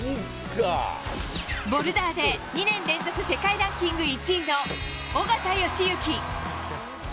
ボルダーで２年連続世界ランキング１位の緒方良行。